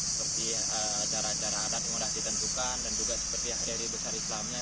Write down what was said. seperti acara acara adat yang sudah ditentukan dan juga seperti hari hari besar islamnya